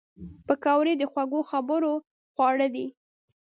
پکورې د خوږو خبرو خواړه دي